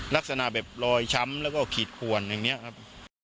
ลักษณะแบบรอยช้ำแล้วก็ขีดขวนอย่างนี้ครับ